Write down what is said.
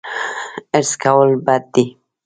حرص کول بد دي